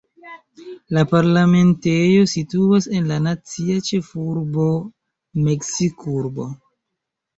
La parlamentejo situas en la nacia ĉefurbo Meksik-urbo.